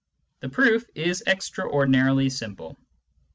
The proof is extraordinarily simple.